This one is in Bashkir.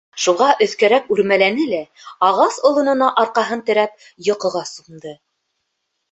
Шуға өҫкәрәк үрмәләне лә, ағас олонона арҡаһын терәп, йоҡоға сумды.